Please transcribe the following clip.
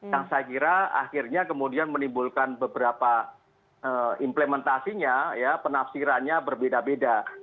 yang saya kira akhirnya kemudian menimbulkan beberapa implementasinya ya penafsirannya berbeda beda